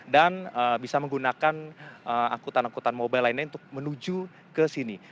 dan bisa menggunakan angkutan angkutan mobile lainnya untuk menuju ke sini